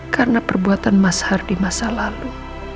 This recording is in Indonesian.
karena perbuatan mas hardy masa lalu